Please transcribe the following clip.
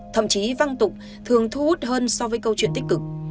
các bài viết trên mạng thường thu hút hơn so với câu chuyện tích cực